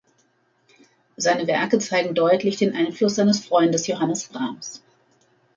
Seine Werke zeigen deutlich den Einfluss seines Freundes Johannes Brahms.